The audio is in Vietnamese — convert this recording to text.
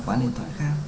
cháu bán điện thoại khác